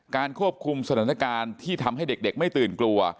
ควบคุมสถานการณ์ที่ทำให้เด็กไม่ตื่นกลัว